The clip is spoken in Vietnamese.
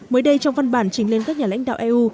mới đây trong văn bản trình lên các nhà lãnh đạo eu